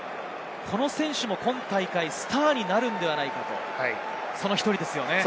この選手も今大会、スターになるんではないかと言われている１人ですよね。